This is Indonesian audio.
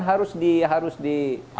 harus diharus di